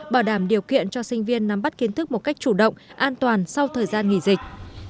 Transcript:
bảo đảm điều kiện cho sinh viên nắm bắt kiến thức một cách chủ động an toàn sau thời gian nghỉ dịch